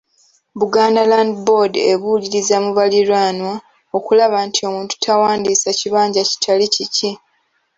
Buganda Land Board ebuuliriza mu baliraanwa okulaba nti omuntu tawandiisa kibanja kitali kikye.